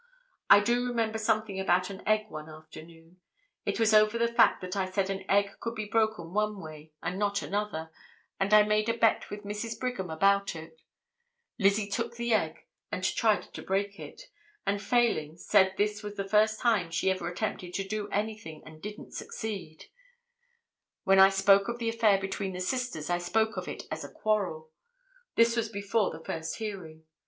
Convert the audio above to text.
I do remember something about an egg one afternoon; it was over the fact that I said an egg could be broken one way and not another, and I made a bet with Mrs. Brigham about it; Lizzie took the egg and tried to break it her way, and failing, said this was the first time she ever attempted to do anything and didn't succeed; when I spoke of the affair between the sisters I spoke of it as a quarrel; this was before the first hearing.